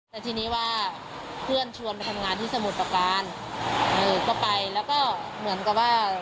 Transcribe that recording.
แต่ทีนี้ว่าเพื่อนชวนไปทำงานที่สมุทรประการเออก็ไปแล้วก็เหมือนกับว่า